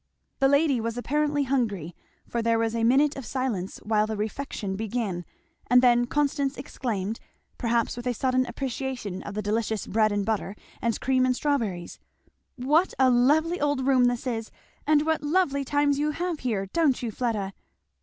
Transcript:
The lady was apparently hungry, for there was a minute of silence while the refection begun, and then Constance exclaimed, perhaps with a sudden appreciation of the delicious bread and butter and cream and strawberries, "What a lovely old room this is! and what lovely times you have here, don't you, Fleda?"